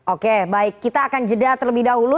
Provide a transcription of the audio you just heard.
oke baik kita akan jeda terlebih dahulu